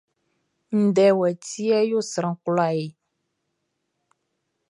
Ndɛ wɛtɛɛʼn yo sran kwlaa ye.